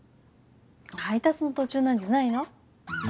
配達の途中なんじゃないの？